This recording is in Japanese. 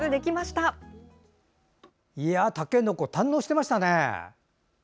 たけのこ堪能してましたね！